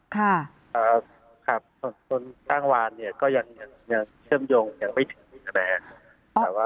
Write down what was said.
คนจ้างวานเนี่ยก็ยังเชื่อมโยงยังไม่ถึงอีกแนว